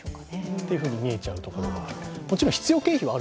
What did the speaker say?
っていうふうに見えちゃうところがある。